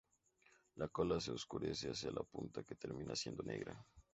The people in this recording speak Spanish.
La cola se oscurece hacia la punta que termina siendo negra.